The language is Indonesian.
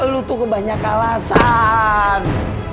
lu tuh kebanyak alasan